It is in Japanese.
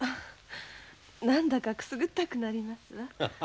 何だかくすぐったくなりますわ。